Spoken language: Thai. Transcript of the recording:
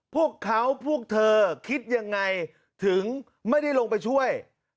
พวกเขาพวกเธอคิดยังไงถึงไม่ได้ลงไปช่วย